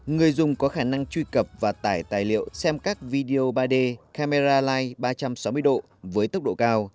người dùng có khả năng truy cập và tải tài liệu xem các video ba d camera lie ba trăm sáu mươi độ với tốc độ cao